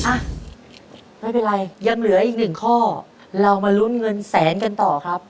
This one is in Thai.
อ่ะไม่เป็นไรยังเหลืออีกหนึ่งข้อเรามาลุ้นเงินแสนกันต่อครับ